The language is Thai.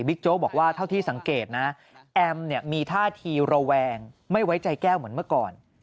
โจ๊กบอกว่าเท่าที่สังเกตนะแอมเนี่ยมีท่าทีระแวงไม่ไว้ใจแก้วเหมือนเมื่อก่อน